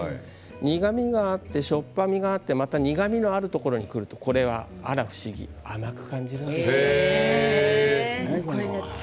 苦みがあってしょっぱみがあってまた苦みがあるところにくるとあら不思議、甘く感じるんですね。